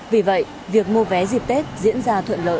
vì vậy việc mua vé dịp tết diễn ra thuận lợi